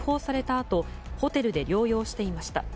あとホテルで療養していました。